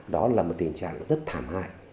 đó là một tình trạng rất thảm hại